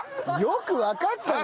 よくわかった。